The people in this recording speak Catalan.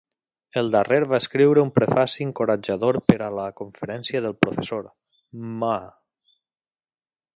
El darrer va escriure un prefaci encoratjador per a la "conferència del professor Mmaa".